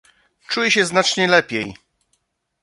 "Czuję się znacznie lepiej."